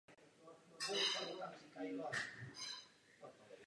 Poznal se s ním během výkonu poslaneckého mandátu ve Federálním shromáždění.